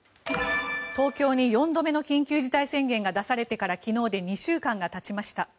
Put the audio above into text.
東京に４度目の緊急事態宣言が出されてから昨日で２週間がたちました。